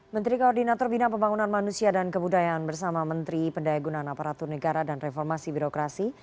menteri koordinator bina pembangunan manusia dan kebudayaan bersama menteri pendaya gunaan aparatur negara dan reformasi birokrasi